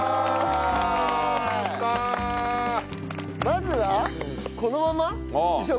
まずはこのまま試食。